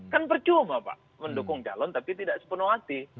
kan percuma pak mendukung calon tapi tidak sepenuh hati